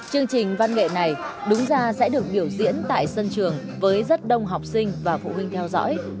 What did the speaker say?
chương trình văn nghệ này đúng ra sẽ được biểu diễn tại sân trường với rất đông học sinh và phụ huynh theo dõi